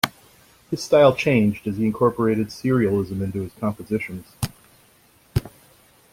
His style changed as he incorporated serialism into his compositions.